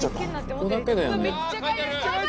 ここだけだよね。